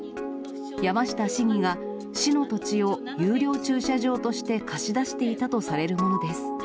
山下市議が市の土地を有料駐車場として貸し出していたとされるものです。